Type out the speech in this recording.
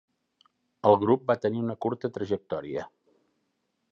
El grup va tenir una curta trajectòria.